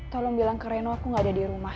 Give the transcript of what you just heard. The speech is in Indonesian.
tolong bilang ke reno aku gak ada di rumah